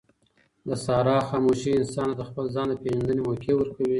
د صحرا خاموشي انسان ته د خپل ځان د پېژندنې موقع ورکوي.